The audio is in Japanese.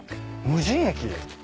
無人駅？